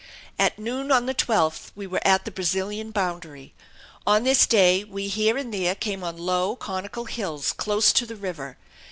At noon on the twelfth we were at the Brazilian boundary. On this day we here and there came on low, conical hills close to the river.